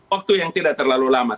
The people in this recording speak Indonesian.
waktu yang tidak terlalu lama